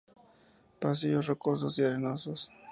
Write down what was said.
Pasillos rocosos y arenosos.